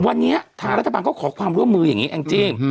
วันนี้ทางรัฐบาลเขาขอความร่วมมืออย่างนี้แองจี้